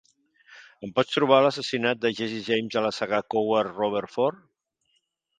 Em pots trobar L'assassinat de Jesse James de la saga Coward Robert Ford?